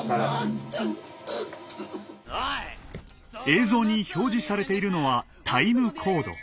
映像に表示されているのはタイムコード。